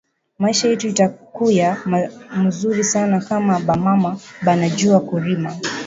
Maisha yetu itakuya muzuri sana kama ba mama bana jua ku rima